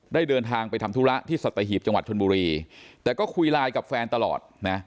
เดินทางไปทำธุระที่สัตหีบจังหวัดชนบุรีแต่ก็คุยไลน์กับแฟนตลอดนะ